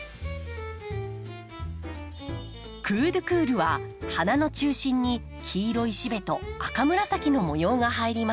クードゥクールは花の中心に黄色いシベと赤紫の模様が入ります。